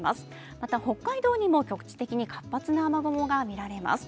また北海道にも局地的に活発な雨雲が見られます。